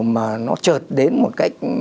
mà nó trợt đến một cách